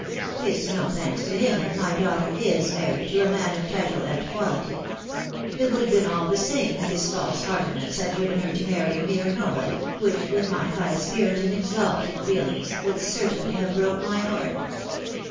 It's no thanks to him if my daughter is married to a man of title and quality — ^it would have been all the same if his false heartedness had driven her to marry a mere nobody, which, with my high spirit CONFESSION OF AN ESCAPADE. 881 and exalted feelings, would certainly have broke my heart.